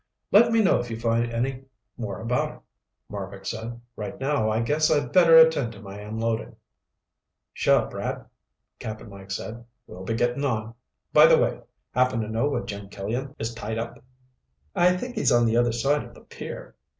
"Let me know if you find out any more about it," Marbek said. "Right now I guess I better attend to my unloadin'." "Sure, Brad," Cap'n Mike said. "We'll be getting on. By the way, happen to know where Jim Killian is tied up?" "I think he's on the other side of the pier.